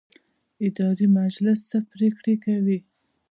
اداري مجلس څه پریکړې کوي؟